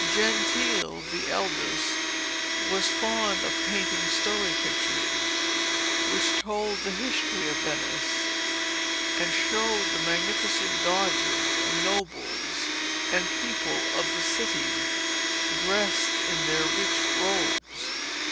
Gentile, the eldest, was fond of painting story pictures, which told the history of Venice, and showed the magnificent doges, and nobles, and people of the city, dressed in their rich robes.